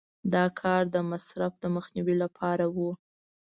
دا کار د مصرف د مخنیوي لپاره و.